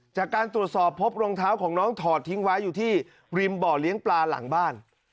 จากการตรวจสอบพบรองเท้าของน้องถอดทิ้งไว้อยู่ที่ริมบ่อเลี้ยงปลาหลังบ้าน